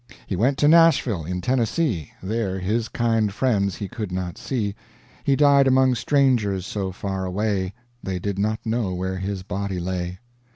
He went to Nashville, in Tennessee, There his kind friends he could not see; He died among strangers, so far away, They did not know where his body lay.